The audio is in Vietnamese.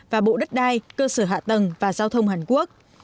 và bộ đất đai cơ sở hạ tầng và giao thông hàn quốc